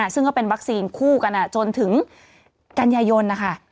ซึ่งก็เป็นวัคซีนคู่กันจนถึงกันยายนนะคะ